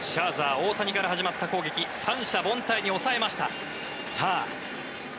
大谷から始まった攻撃三者凡退に抑えました。